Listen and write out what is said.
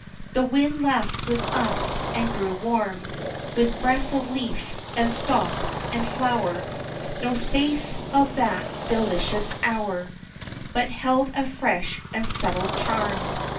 The wind laughed with us, and grew warm With breath of leaf, and stalk, and flower, No space of that delicious hour But held a fresh and subtle charm.